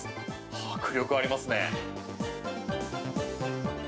迫力ありますね。